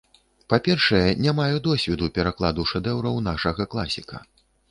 Па-першае, не маю досведу перакладу шэдэўраў нашага класіка.